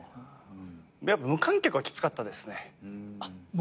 やっぱ無観客はきつかったですね。